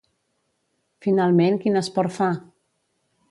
Finalment, quin esport fa?